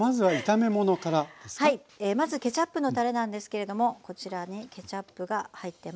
まずケチャップのたれなんですけれどもこちらねケチャップが入ってます。